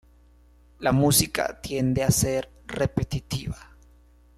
La música tiende a ser repetitiva.